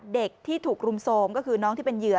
เด็กที่ถูกรุมโทรมก็คือน้องที่เป็นเหยื